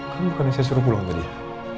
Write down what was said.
kan bukan yang saya suruh pulang tadi ya